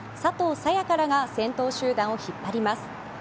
早也伽らが先頭集団を引っ張ります。